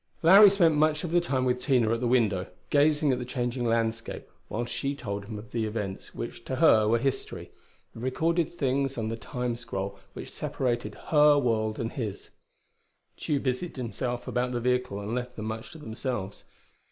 Larry spent much of the time with Tina at the window, gazing at the changing landscape while she told him of the events which to her were history the recorded things on the Time scroll which separated her world and his. Tugh busied himself about the vehicle and left them much to themselves.